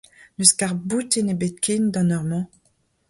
N'eus karr-boutin ebet ken d'an eur-mañ.